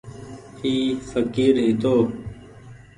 اي ڦڪير هيتو ۔